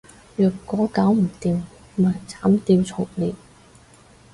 若果搞唔掂，咪砍掉重練